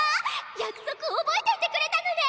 約束覚えていてくれたのね！